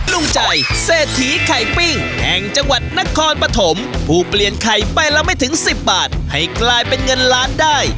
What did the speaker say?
ลุงใจเศรษฐีไข่ปิ้งแห่งจังหวัดนครปฐมผู้เปลี่ยนไข่ใบละไม่ถึง๑๐บาทให้กลายเป็นเงินล้านได้